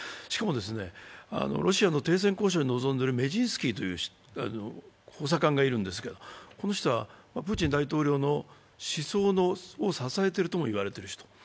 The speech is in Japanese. しかも、ロシアの停戦交渉に臨んでいるメジンスキーという補佐官がいるんですけど、この人はプーチン大統領の思想を支えてるともいわれてる人。